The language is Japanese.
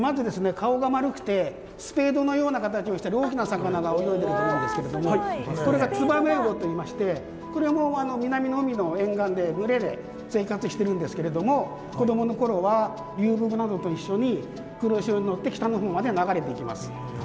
顔が丸くてスペードのような形をしてる大きな魚が泳いでいると思うんですけれどもこれがツバメウオといいましてこれも南の海の沿岸で群れで生活してるんですけれども子どもの頃は流木などと一緒に黒潮に乗って北の方まで流れていきます。